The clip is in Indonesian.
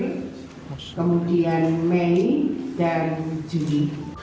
kemudian mei dan juni